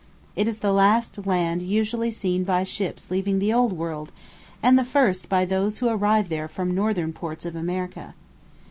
It is the last land usually seen by ships leaving the Old World, and the first by those who arrive there from the Northern ports of America.